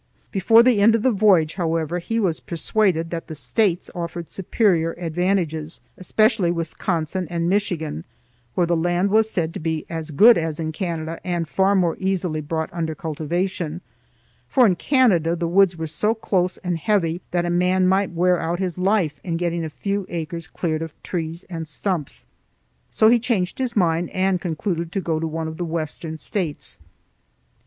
Before the end of the voyage, however, he was persuaded that the States offered superior advantages, especially Wisconsin and Michigan, where the land was said to be as good as in Canada and far more easily brought under cultivation; for in Canada the woods were so close and heavy that a man might wear out his life in getting a few acres cleared of trees and stumps. So he changed his mind and concluded to go to one of the Western States.